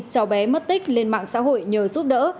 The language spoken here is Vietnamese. cháu bé mất tích lên mạng xã hội nhờ giúp đỡ